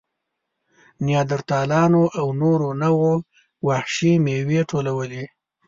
نیاندرتالانو او نورو نوعو وحشي مېوې ټولولې.